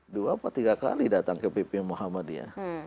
dua atau tiga kali datang ke pp muhammadiyah